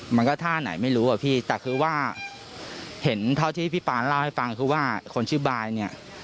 มันก็ท่าไหนไม่รู้อะพี่แต่คือว่าเห็นเท่าที่พี่ปานเล่าให้ฟังคือว่าคนชื่อบายเนี่ย